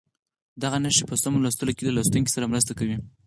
دغه نښې په سمو لوستلو کې له لوستونکي سره مرسته کوي.